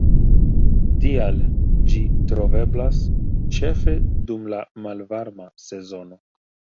Tial ĝi troveblas ĉefe dum la malvarma sezono.